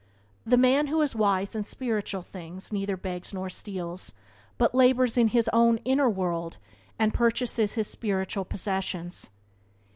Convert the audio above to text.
The man who is wise in spiritual things neither begs nor steals, but labours in his own inner world, and purchases his spiritual possessions.